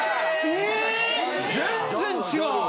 全然違う！